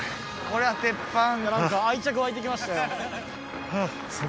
これは鉄板何か愛着わいてきましたよ